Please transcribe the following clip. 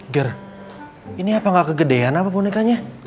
ger ini apa nggak kegedean apa bonekanya